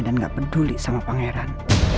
dan gak peduli sama pangeran